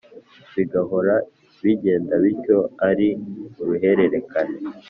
Bigahora bigendabityo ari uruhererekane.